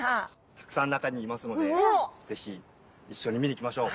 たくさん中にいますので是非一緒に見に行きましょう。